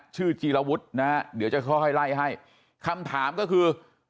ชื่อจีรวุตนะฮะเดี๋ยวจะค่อยไล่ให้คำถามก็คือ